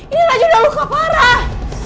ini lagi udah luka parah